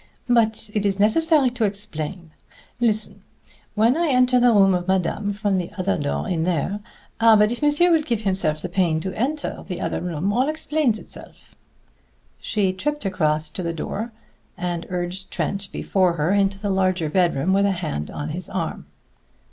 But it is necessary to explain. Listen! When I enter the room of madame from the other door in there ah! but if monsieur will give himself the pain to enter the other room, all explains itself." She tripped across to the door, and urged Trent before her into the larger bedroom with a hand on his arm.